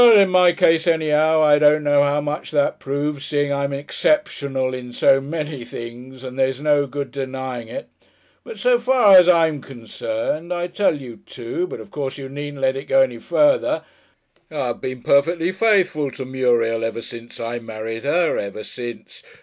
In my case anyhow I don't know how much that proves, seeing I'm exceptional in so many things and there's no good denying it but so far as I'm concerned I tell you two, but of course you needn't let it go any farther I've been perfectly faithful to Muriel ever since I married her ever since....